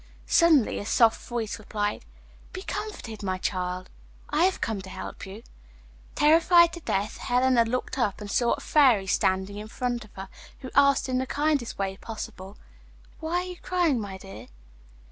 Suddenly a soft voice replied, 'Be comforted, my child: I have come to help you.' Terrified to death, Helena looked up and saw a Fairy standing in front of her, who asked in the kindest way possible, 'Why are you crying, my dear?